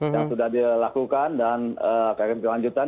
yang sudah dilakukan dan akan dilanjutkan